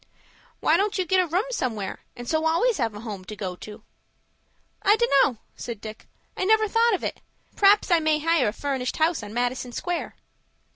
"Why don't you get a room somewhere, and so always have a home to go to?" "I dunno," said Dick. "I never thought of it. P'rhaps I may hire a furnished house on Madison Square."